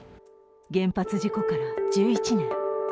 原発事故から１１年。